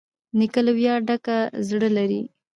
نیکه له ویاړه ډک زړه لري.